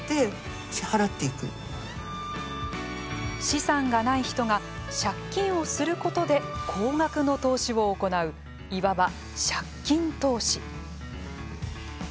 資産がない人が借金をすることで高額の投資を行ういわば「借金投資」。